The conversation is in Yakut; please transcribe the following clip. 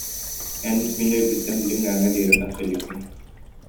эн мин өйбүттэн билиҥҥээҥҥэ диэри тахса иликкин